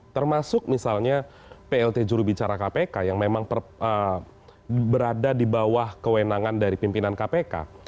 termasuk misalnya plt jurubicara kpk yang memang berada di bawah kewenangan dari pimpinan kpk